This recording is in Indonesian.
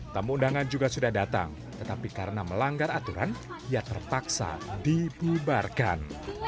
tamu undangan juga sudah datang tetapi karena melanggar aturan ia terpaksa dibubarkan